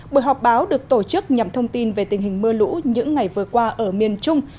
buổi họp báo được tổ chức nhằm thông tin về tình hình mưa lũ những ngày vừa qua ở miền trung